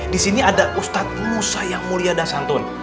di sini ada ustadz musa yang mulia dan santun